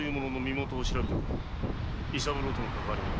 伊三郎とのかかわりもな。